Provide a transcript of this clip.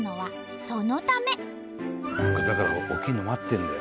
だから起きるの待ってんだよ。